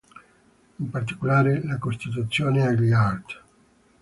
In particolare la Costituzione, agli artt.